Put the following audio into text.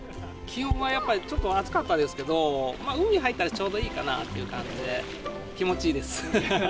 気温はやっぱりちょっと暑かったですけど、海に入ったらちょうどいいかなっていう感じで、気持ちいいです。